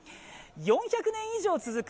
４００年以上続く